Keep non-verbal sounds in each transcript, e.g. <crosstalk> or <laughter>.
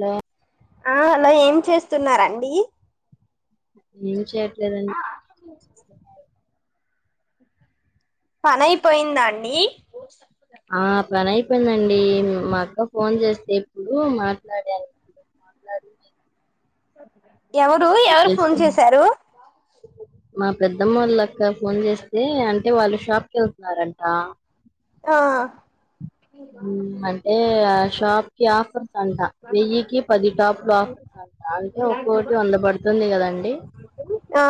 లో ఆ హలో ఏం చేస్తున్నారండి ఏం చేయ లేదండి పనయిపోయిందాండి ఆ పని అయిపోయిందండి మా అక్క ఫోన్ చేస్తే ఇప్పుడు మాట్లాడాను. ఓకే ఎవరు ఎవరు ఫోన్ చేసి చేసారు మా పెద్దమ్మళ్ళ అక్క ఫోన్ చేసి అతే అంటే వాళ్ళు షాప్కి వెళ్తున్నారంట ఆ అంటే షాప్ కి ఆఫర్స్ అంటా వెయ్యికి, పది టాప్లు ఆఫర్స్ అంటా. అంటే ఒక్కోటి వంద పడుతుంది. కదండి. ఆ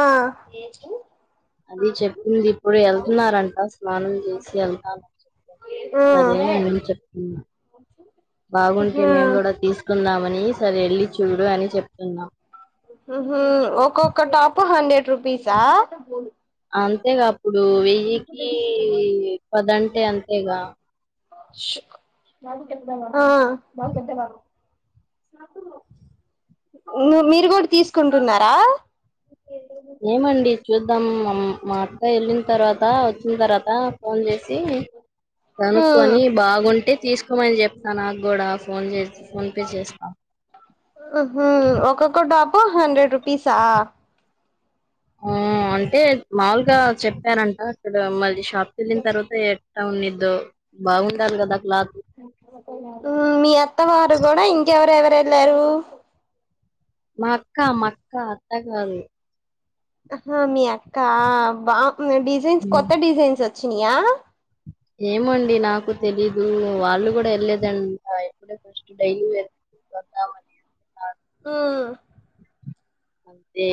అది చెప్తుంది ఇప్పుడు వెళ్తున్నారంట స్నానం చేసి వెళ్తానని చెప్ప ఆ సరే అని చెప్తున్నా బాగుంటే ఉహు మేము కూడా తీసుకుందాము మని సరే వెళ్ళి చూడు అని చెప్తున్ ఉ హు ఒక్కొక్క టాప్ హండ్రెడ్ రూపి పీసా అంతేకా ఇప్పుడు వెయ్యికి పదంటే అంతేగా హ మీరు కూడా తీసుకుంటున్నారా ఏమండి చూద్దమా ఉ మా అత్తయ్య ఎళ్ళిన తర్వాత వచ్చిన తర్వాత ఫోన్ చేసి ఉమ్ కనుకొని బాగుంటే తీసుకు ఫోన్ చెప్తాను నాకు కూడా ఫోన్ చేసి ఫోన్ పే చేస్తా హ హ హు ఒక్కొక్క డాబ్బా ఫోర్ హండ్రెడ్ రుపీసా ఆ అంటే మాములుగా చెప్పారంట అక్కడ మజీస్ ఫిల్మ్ తప్పితే అవునిద్దు ఆ మీ అత్త వారు కూడా ఇంకెవరవర్ ఎల్లారు మా అక్క మాక్క అత్త కాదు హ మీ అక్క బాగ్ డిజైన్స్ కొత్త డిజైన్స్ ఓచ్ చ్చినయా ఏమో అండి నాకు తెలీదు వాళ్ళు కూడా వెళ్ళలేదంట ఇప్పుడే ఫస్ట్ డైలీ ఏద్దామని ఉ అంతే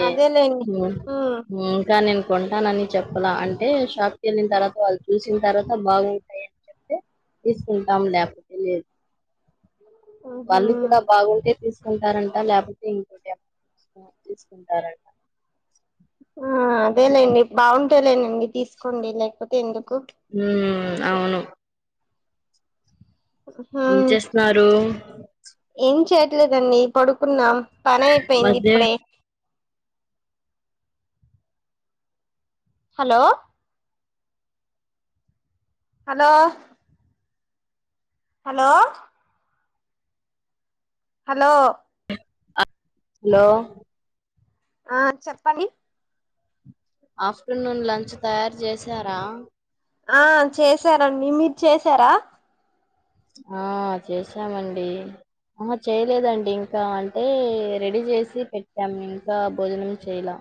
ఉమ్ ఇంకా నేను కొంటానని చెప్పలా అంటే షాప్కి వెళ్ళిన తర్వాత వాళ్ళు చూసి వచ్చిన తర్వాత బాగుంటాయిని చెప్తే తీసుకుంటాం లేకపోతే లేదు ఉహు వాళ్ళు కూడా బాగుంటే తీసుకుంటారంట లేక ఇం తీసుకుంటారట ఆ అదేలేండి బాగుంటేలేనండి తీసుకోండి లేకపోతే ఎందుకు హ అవును ఉహు ఏం చేస్తున్నారు ఏం చేయట్లేదండి పడుకున్నాం పని అయిపోయింది మధ్య ఇప్పుడే hello hello hello hello hello ఆ చెప్పంని ఆఫ్టర్నూన్ లంచ్ తయారు చేసారా ఆ చేశారండి మీరు చేసారా ఆ చేసామండి ఆ చేయలేదండి ఇంకా అంటే రెడీ చేసి పెట్టాము ఇంకా భోజనం చేయలా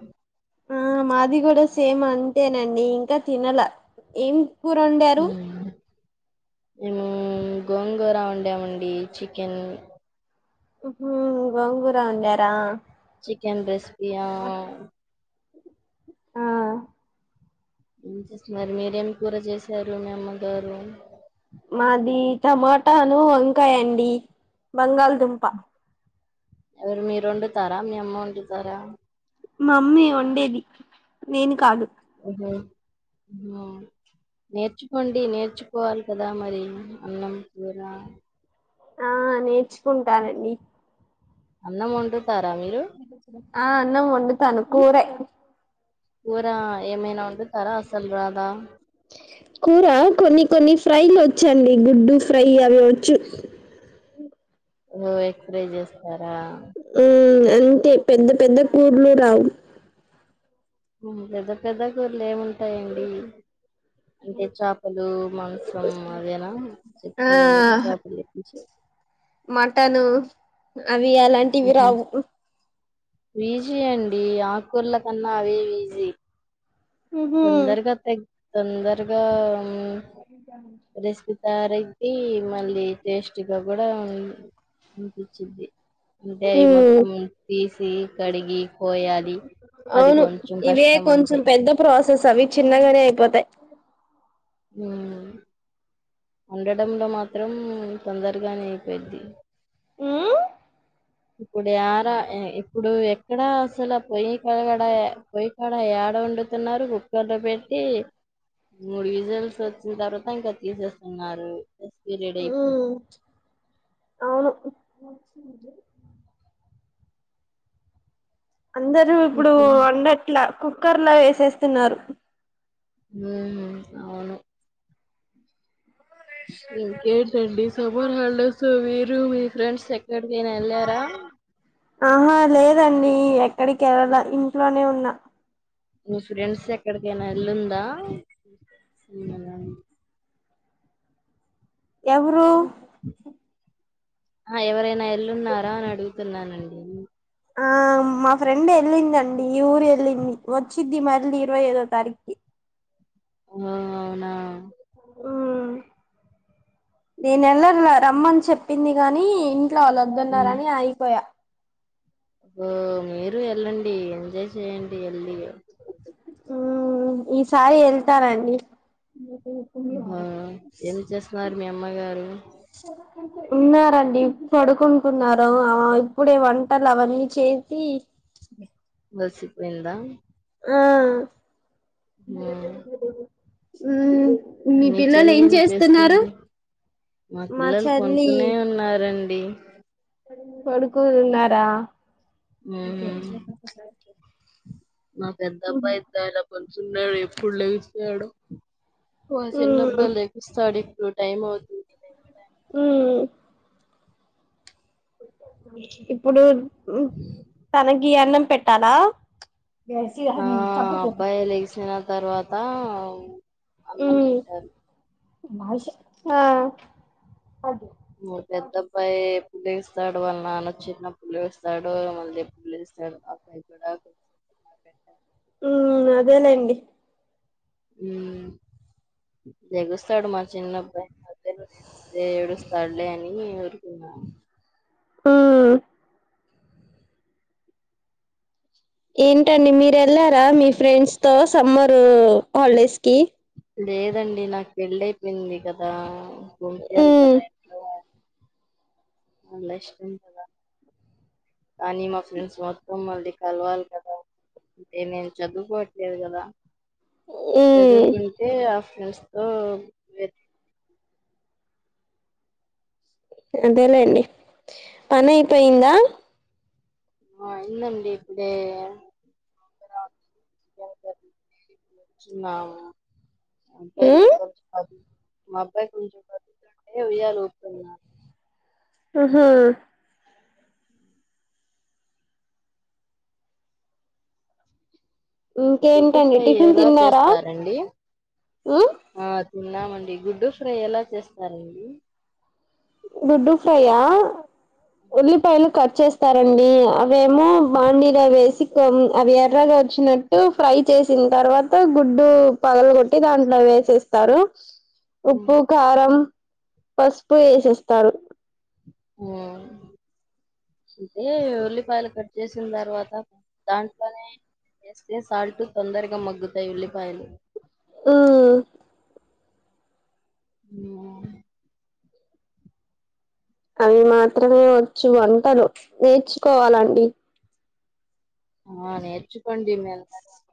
ఆ మాది కూడా సేమ్ అంతేనండి ఇంకా తినాల ఏం కూరుండారు మ్మ్. మేము గోంగోరా వంండేమండి చికెన్ మ్మహు గోంగూర వండరా చికెన్ గెస్పియా ఆ ఏం చేస్తున్నారు మీరేమి కూర చేసారు మీ అమ్మగారు మాది టమాటాను వంకాయ అండి బంగాళదుంప ఎవరు మీరు వండుతారా మీ అమ్మ వండుతారా మామ్మీ వండేది నేను కాదు ఓహో నేర్చుకోండి నేర్చుకోవాలి కదా మరి అన్నం కూర ఆ నేర్చుకుంటానండి అన్న మంట ఇస్తారా మీరు ఆ అన్నం వండుతాను కురే ఊరా ఏమేనా ఉం ర అసల్ రాదా కూర కొన్ని కొన్ని ఫ్రైలు వచ్చండి గుడ్డు ఫ్రై అవి వచ్చు ఓ ఎగ్ ప్రై చేస్తారా ఉ అంటే పెద్ద పెద్ద కూర్లు రావు పెద్ద పెద్ద కూర్లు ఏముంట ఎం ఉంటాయండి, అంటే చేపలు మాంసం అదేనా ఆ చెప్తుందిరు చేపలు తెప్పించ మటను అవి అలాంటివి మ్హూ రావు ఈజీ అండి ఆకూర్ల కన్నా అవే ఈజీ ఉహు తొందరగా తె తొందరగా మరి చాల తరికి మళ్ళీ టేస్ట్ దగ్గర ఆ అనిపించింది అంటె అవి ఉమ్ మొత్తం తీసి కడిగి కొయాలి అది అవును కొంచెం ఇవే కష్టం కొంచెం అంతె పెద్ద ప్రాసెస్ అవి చిన్నగానె అయిపోతాయ్ ఉం వండడంలో మాత్రం తొందరగానే అయిపోయిద్ది ఉమ్ ఇప్పుడు యార ఇప్పుడు ఎక్కడా అసలు ఆ ప్లే కాడ పొయికాడ యాడ వండుతున్నారు కుక్కర్లో పెట్టి మూడు విజల్స్ వచ్చిన తర్వాత ఇంక తీసేస్త అన్నారు దిస్ పీరియడ్ అయిపో మచ్చ అంది అందరుూ ఇప్పుడు ఓకే వండట్లా కుక్ కుక్కర్లో ఏసేస్తున్నారు హు అవును ఇంకేంటండి సమ్మర్ హాలిడేస్ లో మీరు రు మి ఫ్రెన్డ్స్ ఎక్ క్కడికైనా ఎల్లారా దండి ఎక్కడికి ఎల్లల ఇంట్లోనే ఉన్నా నీ ఫ్రెండ్స్ ఎక్కడికైనా ఎల్లుందా <inaudible> ఎవరు ఆ ఎవరైనా ఎల్లున్నారా అని అడుగుతున్నానండి ఆ మా ఫ్రెండ్ వెళ్ళిందండి ఈ ఊరు వెళ్ళింది వచ్చిద్ది మళ్ళీ ఇరవై ఐదో తారీక్కి ఓ అవునా ఉం నేనెల్లర్లా రమ్మని చెప్పింది గానీ ఇంట్ల ఎల్లోద్దన్నారని ఆగిపోయా అప్పు మీరు రు వెళ్ళండి ఎంజాయ్ చేయండి ఇగ ఎల్లీగా ఉం ఈసారి వెళ్తారండి ఆ ఏం చేస్తున్నారు మీ అమ్మగారు ఉన్నారండి పడుకుంటున్నారు ఆ ఇప్పుడే వంటలు అవన్నీ చేసి వలసిపోయిందా ఆ మ ఉమ్ బ ఆ మీ చెల్లి ఏం చేస్తుంది మా పిల్లలు పనుకునే ఉన్నారండి డి పడుకొని ఉన్నారా నాకు ఎంతప్పా ఇంత కొంచెంన్నాడు ఎప్పుడు లేెసినాడు లేచిందబ్బ లేకుస్తాడి ప్పు టైమ్ అవుతుంది ఉమ్ ఇప్పుడు తనే ఈ అన్నం పెట్టాలా ఆ అబ్బాయి లేగిసిన తర్ తర్వాత అన్నం పెట్టాను. బాషా ఆ పెద్దబ్బాయి పలు ఇస్తాడు వాళ్ళ నాన్న చిన్న పిలు స్తాడు మళ్ళి పిలుస్తాడు అబ్బాయి కూడా ఉ అదే లేండి. హ్మ్ లెగుస్తాడు మా చిన్నబ్బాయి మధ్యలో లెగిస్తే ఏడుస్తాడులే అని ఊరుకున్నా. ఆ ఏంటండి మీరు వెళ్లారా మీ ఫ్రెండ్స్ తో సమ్మరు హాలిడేస్ కి లేదండి నాకు పెళ్ళయిపోయింది కదా ఒకే ఉ అనుకున్న ఇంట్లో వాళ్ళు అలష్ <inaudible> కానీ మా ఫ్రెండ్స్ మొత్తం మళ్ళీ కలవాలి కదా అంటే నేను చదువుకోవట్లేదు కదా ఉ చదువుకుంటే ఫ్రెండ్స్ తో అదే లేండి పని అయిపోయిందా ఆ అయిందండి ఇప్పుడే <inaudible> <inaudible> వచ్చిన్నాము. ఉమ్ <inaudible> మా అబ్బాయి కొంచెం కదులుతుంటే ఉయ్యాలూపుతున్నా. ఆహా గుడ్డు ఇంకేంటండి ఫ్రై టిఫిన్ ఎలా తిన్నారా. చేస్తారండి ఆ తిన్నామండి గుడ్డు ఫ్రై ఎలా చేస్తారండి గుడ్డు ఫ్రై ఆ ఉల్లిపాయలు కట్ చేస్ స్తారండి ఎమో బాండిలో వేసి అవి ఎర్రగా వచ్చినట్టు ఫ్రై చేసిన తర్వాత గుడ్డు పగలగొట్టి దాంట్లో వేసేస్తారు. ఉమ్, ఉప్పు కారం పసుపు ఏసేస్ తరు ఓ హే ఉల్లిపాయలు కట్ చేసిన తర్వాత దాంట్లోనే వేస్తే సాల్ట్ తొందరగా మగ్గుతాయి ఉల్లిపాయలు ఉ ఉమ్, అవి మాత్రమే వచ్చు వంటలు నేర్చుకోవాలండి ఆ నేర్చుకోండి <unintelligible>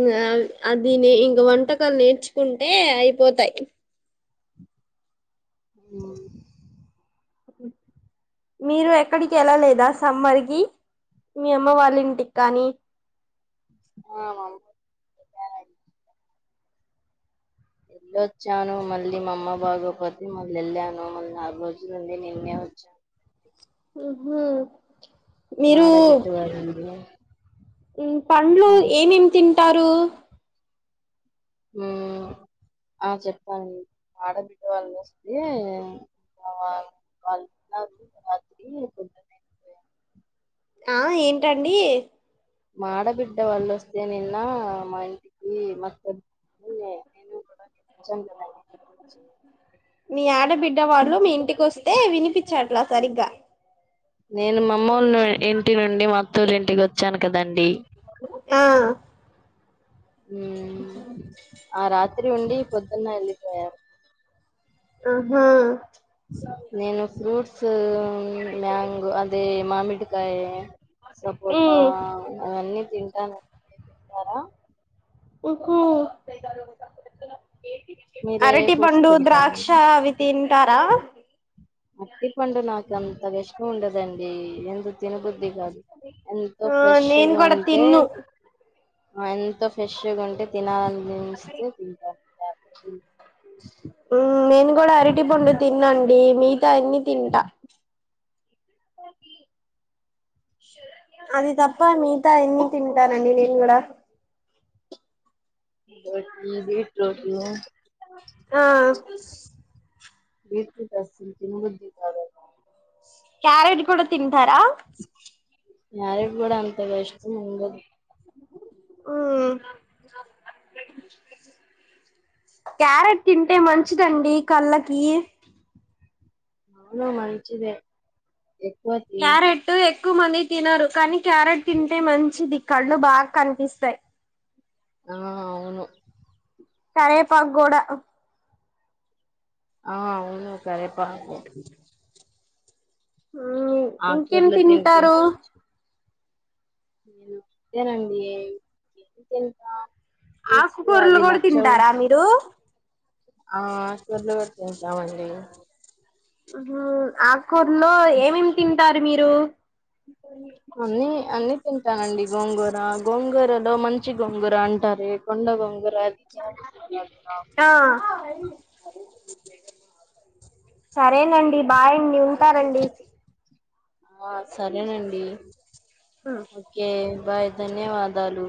మ్ అ అది న ఇంక వంటకాలు నేర్చుకుంటే అయిపోతాయి మ్ మీరు ఎక్కడికి వెళ్ళలేదా సమ్మర్ కి మీ అమమ్మ వాళ్ళ ఇంటికి కానీ ఆ వెళ్ళొచ్చాను, మళ్ళీ మా అమ్మ బాగోపోతే మళ్ళీ వెళ్ళాను మళ్ళీ నాలుగు రోజులుండి నిన్నే వచ్చాను. అబ్బో ఆడబిడ్డ వం పండ్లు ఏం ఏం తిం టారు మ్ ఆ చెప్పాను ఆడబిడ్డ వాళ్ళు వస్తే వాళ్ళు రాత్రి పు <unintelligible> ఆ ఏంటండి మాఆడబిడ్డ వళ్ళ వస్తే నిన్న మా ఇంటికి మ నను కూడా చైన బాయ మీ ఆడబిడ్డ వాళ్ళ మీ ఇంటికి వస్తే వినిపించట్లా సరిగ్గా నేను మామ్మూలు ఇంటి నుండి మా అత్తూలు ఇంటికి వచ్చాను కదండి ఆ మ్ ఆ రాత్రి రాత్రి ఉండి పొద్దున్న వెళ్ళిపో ఆహా నేను ఫ్రూట్స్ ట్సలో <unintelligible> మ్యాంగో అదే మామిడికాయ సపోటా ఉమ్, అవన్నీ తింటాము ఉ కు మీరే ఫ్రూట్స్ అరటిపండు, తింటారు ద్రాక్ష అవి తింటారా. అరటి పండు నాకు అంతగా ఇష్టం ఉండదండి. ఎందు తినబుద్ధి కాదు ఎంతో ఆ నేను ఫ్రెష్గా కూడా ఉంటే తిన్ను అన్ ఎంతో ఫ్రెష్ గా ఉంటే తినాలనిస్తే తింటా లేకపోతే లేదు నేను కూడా అరటిపండు తిననండి. ఏమి మిగతాయాన్ని తింట అది తప్ప మిగతాయన్ని తింటానండి నేను కూడా రోటీ, బీట్రూట్ ఆ వీట్ని అయితే అస్సలు తినబుద్ధికాదు. క్యారెట్ కూడా తింటారా. క్యారెట్ కూడా అంతగా ఇష్టం ఉండదు. ఆ క్యారెట్ తింటే మంచిదండి కళ్ళకి అవును మంచిదే ఎక్కువ తి క్కువ మంది తినరు కానీ క్యారెట్ తింటే మంచిది కళ్ళు బాకనిపిస్తయి. ఆ అవును కరేపాకు గూడ ఆ అవును కరే పాకు ఆకు ఇంకేం కూరలు తింటే తింటారు మంచి నేను ఇంతేనండి ఇంకేంత ప్రుట్స్ ఆకుకూరలు అవి కూడా నచ్చవు తింటారా మీరు ఆ ఆకుకూరలు తింటామండి. ఆహా ఆ కూర్లో ఏమేమి తింటారు మీరు అన్నీ అన్ని తింటానండి గోంగూర, గోంగూరలో మంచి గోంగూర అంటారే కొండ గోంగూర కానా ఆ సరేనండి బాయ్ ఉంటారండి ఆ సరేనండి ఓకే బాయ్ ధన్యవాదాలు